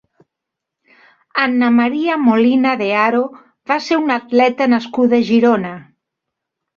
Anna Maria Molina de Haro va ser una atleta nascuda a Girona.